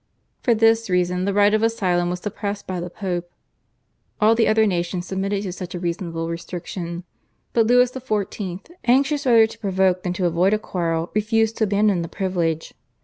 For this reason the right of asylum was suppressed by the Pope. All the other nations submitted to such a reasonable restriction, but Louis XIV., anxious rather to provoke than to avoid a quarrel, refused to abandon the privilege.